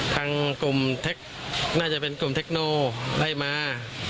ทางกลุ่มเทคโนน่าจะเป็นกลุ่มเทคโนไล่มา